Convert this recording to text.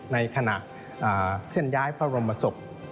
ในขณะเคลื่อนย้ายพระบรมศพ